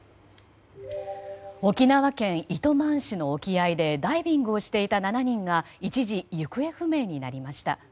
沖縄県糸満市の沖合でダイビングをしていた７人が一時、行方不明になりました。